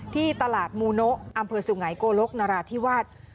ที่ตลาดมูโนะอำเภอสุไงโกลกนราธิวาส